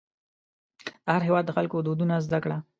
د هر هېواد د خلکو دودونه زده کړه.